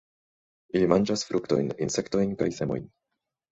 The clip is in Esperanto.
Ili manĝas fruktojn, insektojn kaj semojn.